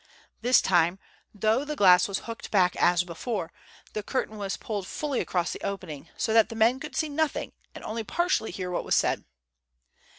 This time, though the glass was hooked back as before, the curtain was pulled fully across the opening, so that the men could see nothing and only partially hear what was said.